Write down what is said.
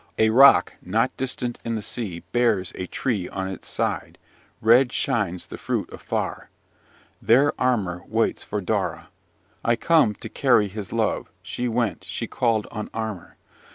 a rock not distant in the sea bears a tree on its side; red shines the fruit afar. There Armar waits for Daura. I come to carry his love! she went she called on Armar.